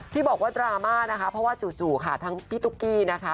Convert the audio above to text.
ที่บอกว่าดราม่านะคะเพราะว่าจู่ค่ะทั้งพี่ตุ๊กกี้นะคะ